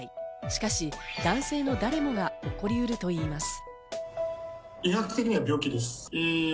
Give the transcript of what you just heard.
しかし、男性の誰もが起こりうるといいます。